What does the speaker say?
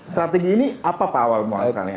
strategi ini apa pak awal mohamad sekarang ya